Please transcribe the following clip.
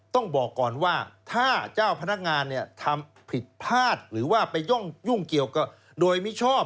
ต้องบอกก่อนว่าถ้าเจ้าพนักงานทำผิดพลาดหรือว่าไปยุ่งเกี่ยวกับโดยมิชอบ